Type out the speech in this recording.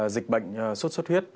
dịch bệnh suốt suốt huyết